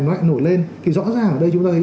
nó lại nổi lên thì rõ ràng ở đây chúng ta thấy